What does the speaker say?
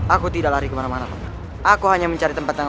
aku tidak lari kemana mana aku hanya mencari tempat yang